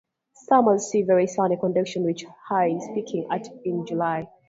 Summers see very sunny conditions, with highs peaking at in July.